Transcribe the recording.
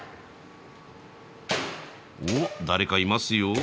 おっ誰かいますよ。